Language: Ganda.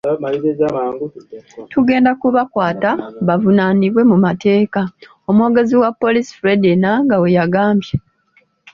'Tugenda kubakwata bavunaanibwe mu mateeka.” omwogezi wa Poliisi Fred Ennanga bwe yagambye.